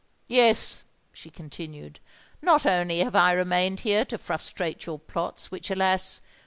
"Yes," she continued: "not only have I remained here to frustrate your plots—which, alas!